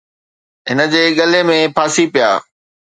هن جي ڳلي ۾ ڦاسي پيا.